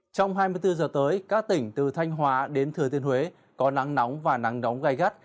trong hai mươi bốn giờ tới các tỉnh từ thanh hóa đến thừa tiên huế có nắng nóng và nắng nóng gai gắt